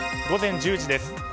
午前１０時です。